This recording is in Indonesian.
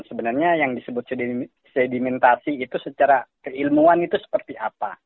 sebenarnya yang disebut sedimentasi itu secara keilmuan itu seperti apa